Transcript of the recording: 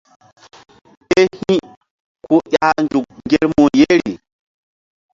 Ke hi̧ ku ƴah nzuk ŋgermu yeri.